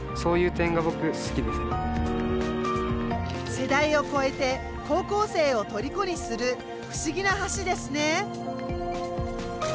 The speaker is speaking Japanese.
世代を超えて高校生をとりこにする不思議な橋ですね。